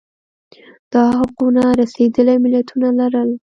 دا حقونه رسېدلي ملتونه لرل